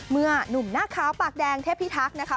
เมื่อนุ่มหน้าขาวปากแดงเทพภีร์ทักษ์นะคะ